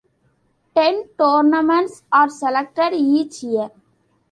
Ten tournaments are selected each year.